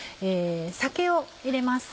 酒を入れます。